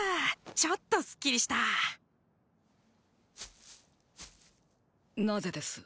ちょっとスッキリしたなぜです